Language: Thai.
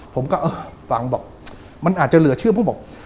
ผมก็เออฟังบอกมันอาจจะเหลือชื่อผู้บอก